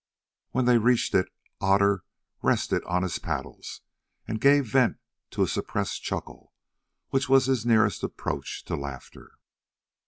When they reached it Otter rested on his paddles and gave vent to a suppressed chuckle, which was his nearest approach to laughter.